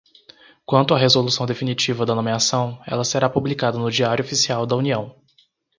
Quanto à resolução definitiva da nomeação, ela será publicada no Diário Oficial da União.